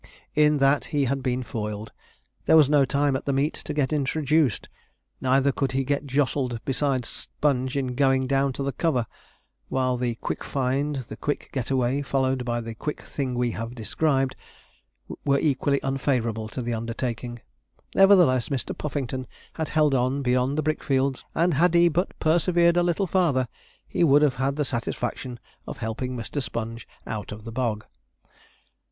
In that he had been foiled: there was no time at the meet to get introduced, neither could he get jostled beside Sponge in going down to the cover; while the quick find, the quick get away, followed by the quick thing we have described, were equally unfavourable to the undertaking. Nevertheless, Mr. Puffington had held on beyond the brick fields; and had he but persevered a little farther, he would have had the satisfaction of helping Mr. Sponge out of the bog.